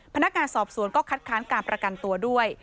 พนักงานสอบสวนก็คัดค้านการประกันตัวด้วย